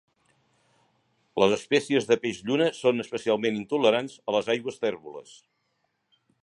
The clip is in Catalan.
Les espècies de peix lluna són especialment intolerants a les aigües tèrboles.